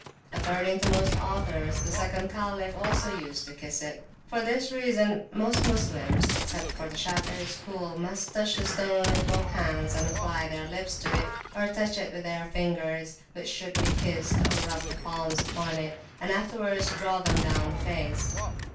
According to most authors, the [p.165] second Caliph also used to kiss it. For this reason most Moslems, except the Shafei school, must touch the stone with both hands and apply their lips to it, or touch it with the fingers, which should be kissed, or rub the palms upon it, and afterwards draw them down the face.